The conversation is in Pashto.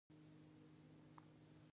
د پسونو او وزو رمې ساتل کیدې